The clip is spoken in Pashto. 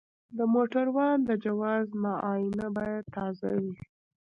د موټروان د جواز معاینه باید تازه وي.